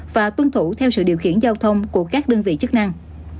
và tuân thủ theo sự điều khiển giao thông của các đơn vị chức năng